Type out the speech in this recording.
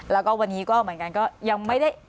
แล้วก็วันนี้ก็เหมือนกันก็ยังไม่ได้